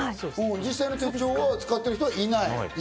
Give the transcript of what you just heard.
実際の手帳を使っている方はいないと。